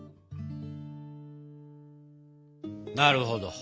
なるほど！